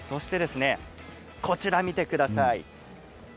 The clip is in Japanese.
こちらを見てください。